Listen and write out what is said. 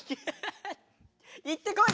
行ってこい！